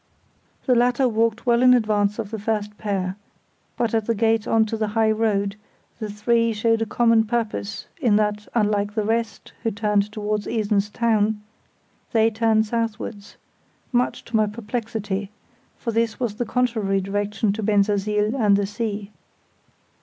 The latter walked well in advance of the first pair, but at the gate on to the high road the three showed a common purpose, in that, unlike the rest, who turned towards Esens town, they turned southwards; much to my perplexity, for this was the contrary direction to Bensersiel and the sea.